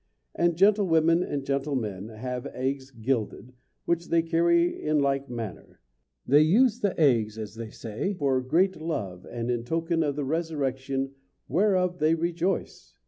And gentlewomen and gentlemen have eggs gilded, which they carry in like manner. They use the eggs, as they say, for a great love and in token of the resurrection whereof they rejoice.